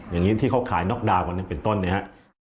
อย่างนี้ที่เขาขายน็อกดาวน์วันนี้เป็นต้นเนี่ยครับ